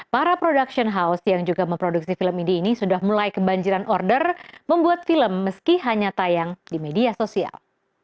para production house yang juga memproduksi film ini sudah mulai kebanjiran order membuat film meski hanya tayang di media sosial